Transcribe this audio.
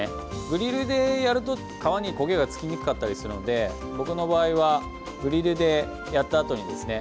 グリルでやると皮に焦げがつきにくかったりするので僕の場合はグリルでやったあとにですね。